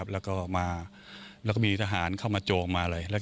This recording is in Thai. แล้วก็มีทหารเข้ามาโจม